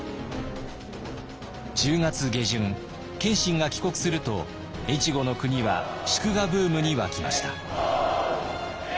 １０月下旬謙信が帰国すると越後の国は祝賀ブームに沸きました。